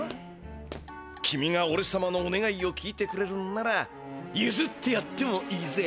君がおれさまのおねがいを聞いてくれるんならゆずってやってもいいぜ。